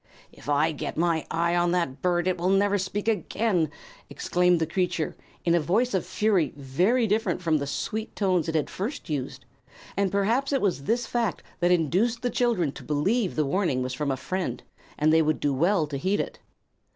"If I get my eye on that bird, it will never speak again," exclaimed the creature, in a voice of fury very different from the sweet tones it had at first used; and perhaps it was this fact that induced the children to believe the warning was from a friend, and they would do well to heed it.